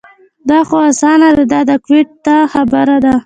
دا خو اسانه ده دا د ګویته خبره ده.